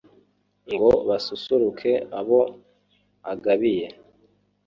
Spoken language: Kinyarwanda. Ngo basusuruke abo agabiye